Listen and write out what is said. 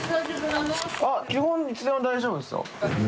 基本いつでも大丈夫ですよ。